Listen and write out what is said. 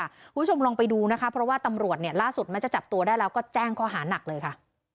คุณผู้ชมลองไปดูนะคะเพราะว่าตำรวจเนี่ยล่าสุดแม้จะจับตัวได้แล้วก็แจ้งข้อหานักเลยค่ะ